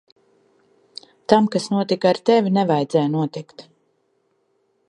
Tam, kas notika ar tevi, nevajadzēja notikt.